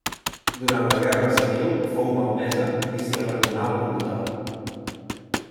Durant la Guerra Civil fou malmesa i s'hi abandonà el culte.